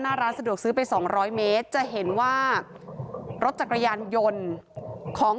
หน้าร้านสะดวกซื้อไปสองร้อยเมตรจะเห็นว่ารถจักรยานยนต์ของ